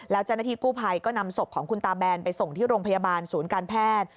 แล้วเจ้าหน้าที่กู้ภัยก็นำศพของคุณตาแบนไปส่งที่โรงพยาบาลศูนย์การแพทย์